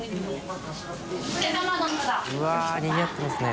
うわっにぎわってますね